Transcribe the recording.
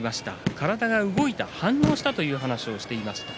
体が動いて反応したと話していました。